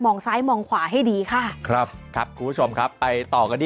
ซ้ายมองขวาให้ดีค่ะครับครับคุณผู้ชมครับไปต่อกันที่